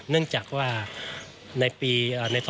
เนื่องจากว่าใน